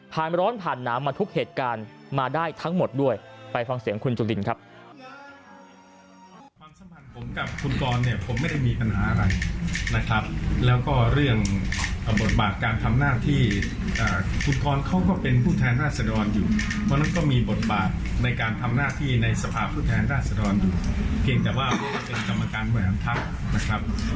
ร้อนผ่านหนาวมาทุกเหตุการณ์มาได้ทั้งหมดด้วยไปฟังเสียงคุณจุลินครับ